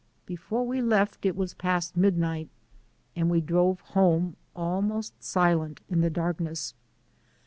Before we left it was past midnight and we drove home, almost silent, in the darkness.